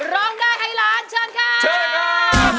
ร้องได้ให้ล้านเชิญค่ะ